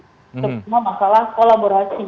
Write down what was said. sebenarnya masalah kolaborasi